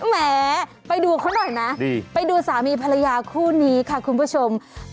แหมไปดูเขาหน่อยนะไปดูสามีภรรยาคู่นี้ค่ะคุณผู้ชม